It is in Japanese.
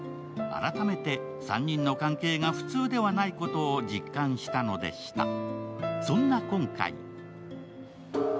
改めて、３人の関係が普通ではないことを実感したのでした。